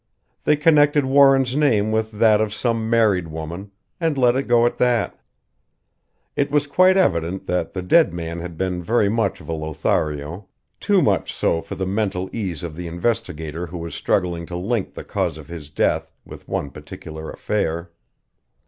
They connected Warren's name with that of some married woman, and let it go at that. It was quite evident that the dead man had been very much of a Lothario; too much so for the mental ease of the investigator who was struggling to link the cause of his death with one particular affair.